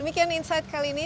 demikian insight kali ini